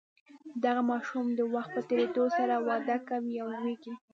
دغه ماشوم د وخت په تیریدو سره وده کوي او لوییږي.